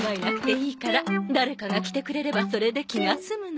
誰かが着てくれればそれで気が済むの。